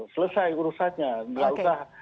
selesai urusannya gak usah